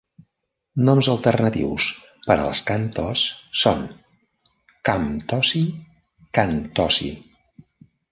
Noms alternatius per als Kamtoz són "Camtozi", "Kantozi".